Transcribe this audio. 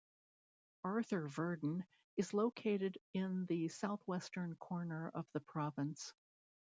Arthur-Virden is located in the southwestern corner of the province.